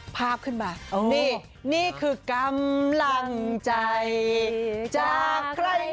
ภาพขึ้นมานี่คือกำลังใจจากใครน้อง